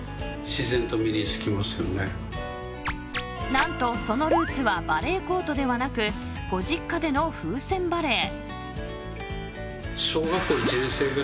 ［何とそのルーツはバレーコートではなくご実家での風船バレー］